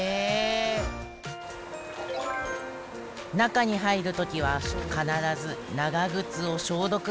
中に入る時は必ず長靴を消毒。